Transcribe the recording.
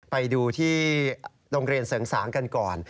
ไปดูที่โรงเรียนเสริงสางกันก่อน